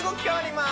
ます